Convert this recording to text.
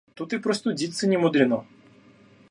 Тут и простудиться не мудрено.